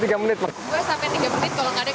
dua tiga menit kalau nggak ada kendala teknis